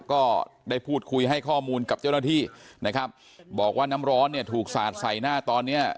ก็ได้พูดคุยให้ข้อมูลกับเจ้าหน้าที่นะครับบอกว่าน้ำร้อนเนี่ยถูกสาดใส่หน้าตอนเนี้ย